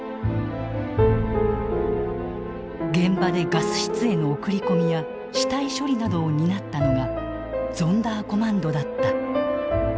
現場でガス室への送り込みや死体処理などを担ったのがゾンダーコマンドだった。